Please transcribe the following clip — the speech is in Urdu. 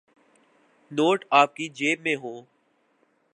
نوٹ آپ کی جیب میں ہوں۔